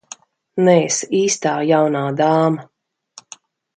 Neesi īstā jaunā dāma.